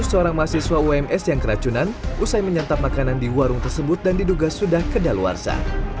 seorang mahasiswa ums yang keracunan usai menyantap makanan di warung tersebut dan diduga sudah kedaluarsa